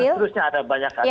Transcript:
dan seterusnya ada banyak lagi